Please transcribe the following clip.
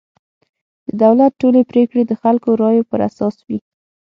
د دولت ټولې پرېکړې د خلکو رایو پر اساس وي.